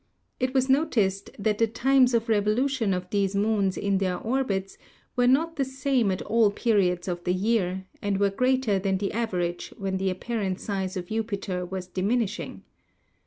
It was noticed that the times of revolution of these moons in their orbits were not the same at all periods of the year, and were greater than the average when the apparent size of Jupiter was diminishing.